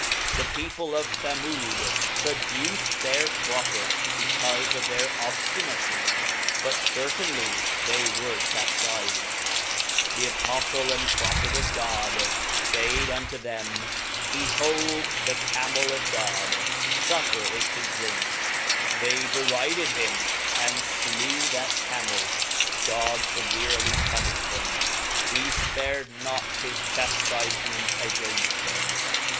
The people of Z'f/w^^ traduced their Prophet, becaufe of their obftinacy; but certainly they were chaftifed. The Apoftle and Prophet of God faid unto them. Behold the Camel of God, fuffer it to drink; they deri ded him, and flew that Camel, God feverely puniflied them, he Ipared not his chaftifement againft them.